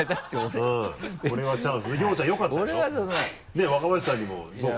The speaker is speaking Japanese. ねぇ若林さんにもどう？